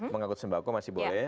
mengangkut sembako masih boleh